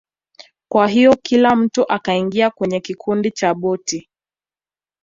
Kwa hiyo kila mtu akaingia kwenye kikundi cha boti